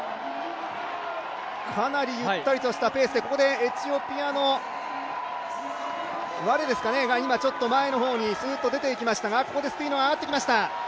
かなりゆったりとしたペースで、エチオピアのワレが今、前の方にすーっと出てきましたが、ここでスピードが上がってきました。